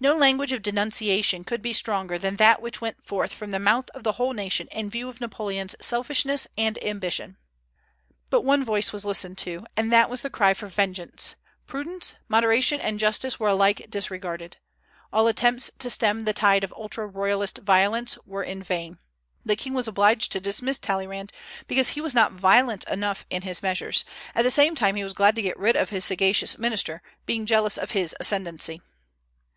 No language of denunciation could be stronger than that which went forth from the mouth of the whole nation in view of Napoleon's selfishness and ambition. But one voice was listened to, and that was the cry for vengeance; prudence, moderation, and justice were alike disregarded. All attempts to stem the tide of ultra royalist violence were in vain. The king was obliged to dismiss Talleyrand because he was not violent enough in his measures; at the same time he was glad to get rid of his sagacious minister, being jealous of his ascendency.